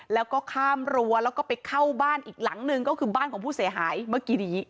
แล้วก็ข้ามรั้วแล้วก็ไปเข้าบ้านอีกหลังหนึ่งก็คือบ้านของผู้เสียหายเมื่อกี้นี้